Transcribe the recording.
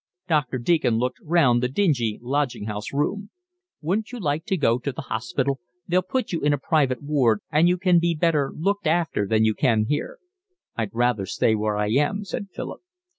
Doctor Deacon looked round the dingy lodging house room. "Wouldn't you like to go to the hospital? They'll put you in a private ward, and you can be better looked after than you can here." "I'd rather stay where I am," said Philip.